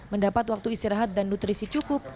mendapat waktu istirahat dan nutrisi cukup